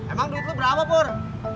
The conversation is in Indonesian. emang duit lu berapa pur